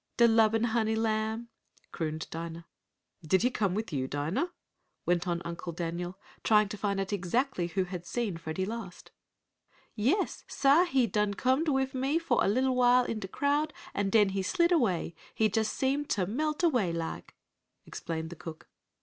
"De lubbin honey lamb!" crooned Dinah. "Did he come with you, Dinah?" went on Uncle Daniel, trying to find out exactly who had seen Freddie last. "Yais, sah, he done comed wif me fo' a little while in de crowd, an' den he slid away he just seem t' melt away laik," explained the cook.